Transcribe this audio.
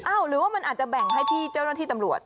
หรือว่ามันอาจจะแบ่งให้พี่เจ้าหน้าที่ตำรวจ